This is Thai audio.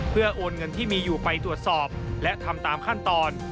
เพื่อโอนเงินที่มีอยู่ไปตรวจสอบและทำตามขั้นตอน